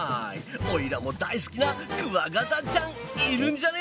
オイラも大好きなクワガタちゃんいるんじゃね？